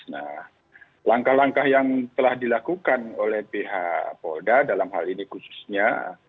nah langkah langkah yang telah dilakukan oleh pihak polda dalam hal ini khususnya